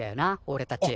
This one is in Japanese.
おれたち。